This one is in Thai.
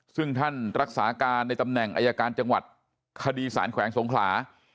ซึ่งท่านรักษาการในตำแหน่งอายการจังหวัดคดีสารแขวงสงขลา